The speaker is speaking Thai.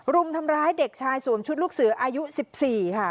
รุมทำร้ายเด็กชายสวมชุดลูกเสืออายุ๑๔ค่ะ